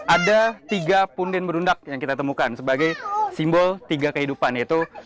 ada tiga punden berundak yang kita temukan sebagai simbol tiga kehidupan yaitu